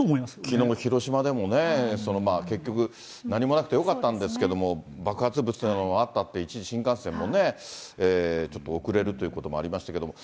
きのう広島でもね、結局、何もなくてよかったんですけれども、爆発物があったって、一時、新幹線もね、ちょっと遅れるということもありましたけども。